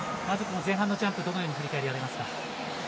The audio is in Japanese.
まず、この前半のジャンプどのように振り返られますか。